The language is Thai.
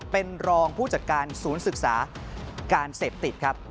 เป็นรองผู้จัดการศูนย์ศึกษาการเสพติดครับ